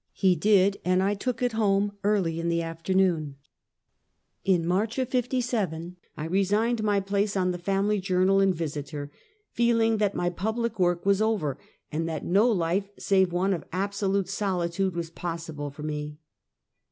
He did, and I took it home early in the afternoon. 164 Half a Centuet. In March '57, I resigned my place on the Family Journal and Visiter, feeling that mj public work was over, and that no life save one of absolute soli tude was possible for me.